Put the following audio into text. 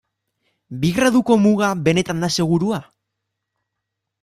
Bi graduko muga benetan da segurua?